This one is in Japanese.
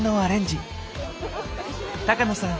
高野さん